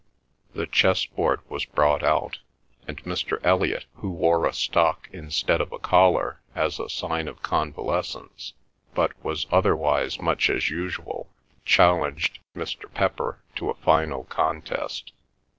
The chess board was brought out, and Mr. Elliot, who wore a stock instead of a collar as a sign of convalescence, but was otherwise much as usual, challenged Mr. Pepper to a final contest.